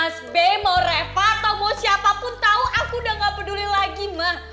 mas b mau reva atau mau siapapun tahu aku udah gak peduli lagi mah